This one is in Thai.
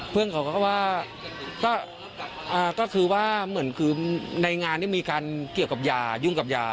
เพื่อนเขาก็ว่าก็คือว่าในงานมีการเกี่ยวกับยายุ่งกับยา